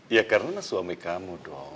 ya karena suami kamu dong